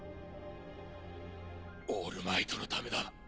オールマイトのためだ。